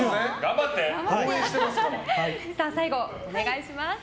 最後、お願いします。